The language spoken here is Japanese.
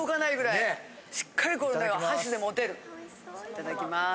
いただきます！